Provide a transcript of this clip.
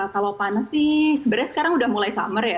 kalau panas sih sebenarnya sekarang udah mulai summer ya